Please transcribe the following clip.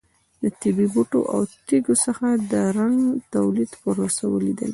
د طبیعي بوټو او تېږو څخه د رنګ تولید پروسه ولیدله.